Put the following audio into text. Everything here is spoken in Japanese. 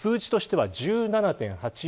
数字としては１７．８４。